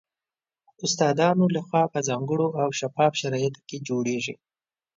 استادانو له خوا په ځانګړو او شفاف شرایطو کې جوړیږي